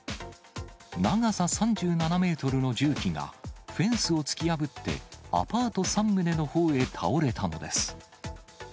長さ３７メートルの重機が、フェンスを突き破って、アパート３棟のほうへ倒れたのです。